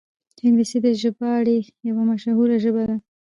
انګلیسي د ژباړې یوه مشهوره ژبه ده